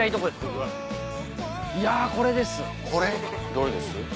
どれです？